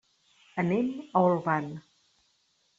Anem a Olvan.